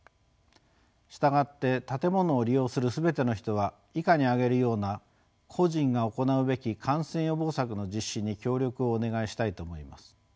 従って建物を利用する全ての人は以下に挙げるような個人が行うべき感染予防策の実施に協力をお願いしたいと思います。